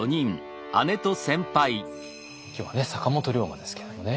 今日は坂本龍馬ですけれどもね。